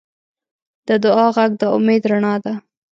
د دعا غږ د امید رڼا ده.